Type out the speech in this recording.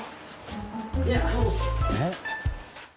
えっ？